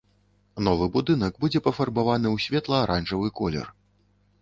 Новы будынак будзе пафарбаваны ў светла-аранжавы колер.